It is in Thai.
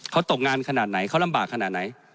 เขาตกงานขนาดไหนเขาลำบากขนาดไหน